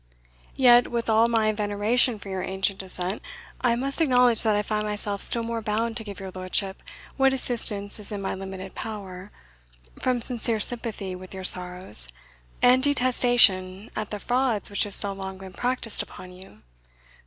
Yet, with all my veneration for your ancient descent, I must acknowledge that I find myself still more bound to give your lordship what assistance is in my limited power, from sincere sympathy with your sorrows, and detestation at the frauds which have so long been practised upon you.